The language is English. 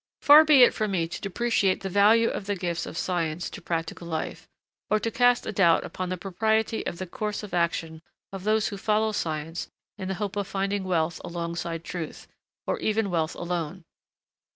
] Far be it from me to depreciate the value of the gifts of science to practical life, or to cast a doubt upon the propriety of the course of action of those who follow science in the hope of finding wealth alongside truth, or even wealth alone.